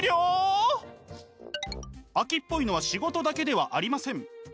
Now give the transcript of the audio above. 飽きっぽいのは仕事だけではありません。